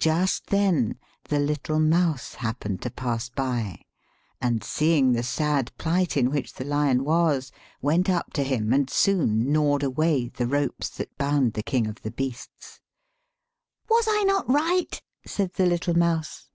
Just then the little mouse happened to pass by, and seeing the sad plight in which the lion was, went up to him and soon gnawed away the ropes that bound the king of the beasts. " Was I not right?" said the little mouse.